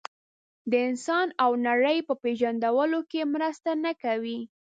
د انسان او نړۍ په پېژندلو کې مرسته نه کوي.